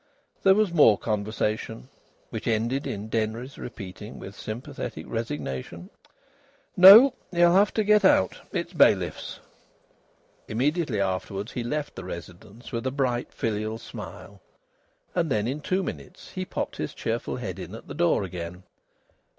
There was more conversation, which ended in Denry's repeating, with sympathetic resignation: "No, you'll have to get out. It's bailiffs." Immediately afterwards he left the residence with a bright filial smile. And then, in two minutes, he popped his cheerful head in at the door again.